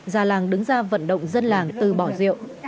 già làng đứng ra vận động dân làng tư bỏ rượu